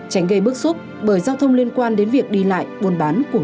tránh gây bức xúc bởi giao thông liên quan đến việc đi lại buôn bạc